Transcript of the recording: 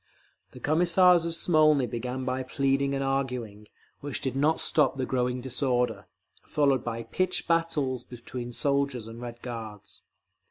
The Commissars of Smolny began by pleading and arguing, which did not stop the growing disorder, followed by pitched battles between soldiers and Red Guards….